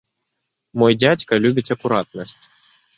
Мой дзядзька любіць акуратнасць.